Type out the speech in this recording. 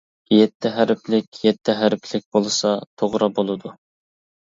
-يەتتە ھەرپلىك، يەتتە ھەرپلىك بولسا توغرا بولىدۇ.